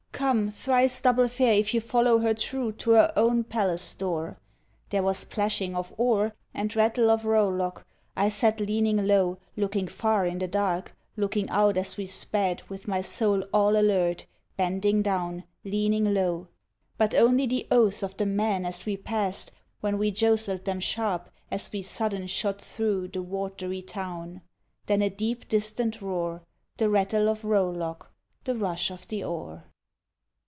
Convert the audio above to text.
Come! Thrice double fare if you follow her true To her own palace door.” There was plashing of oar And rattle of rowlock. ... I sat leaning low Looking far in the dark, looking out as we sped With my soul all alert, bending down, leaning low. But only the oaths of the men as we passed When we jostled them sharp as we sudden shot thro’ The watery town. Then a deep, distant roar The rattle of rowlock, the rush of the oar.